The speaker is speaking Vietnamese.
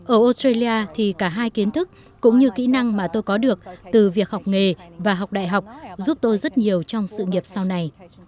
ở australia thì cả hai kiến thức cũng như kỹ năng mà tôi có được từ việc học nghề và học đại học giúp tôi rất nhiều trong sự nghiệp sau này